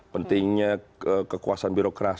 pentingnya kekuasaan birokrasi